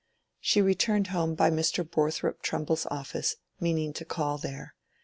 She returned home by Mr. Borthrop Trumbull's office, meaning to call there.